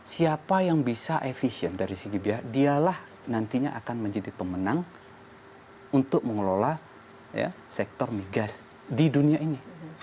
siapa yang bisa efisien dari segi biaya dialah nantinya akan menjadi pemenang untuk mengelola sektor migas di dunia ini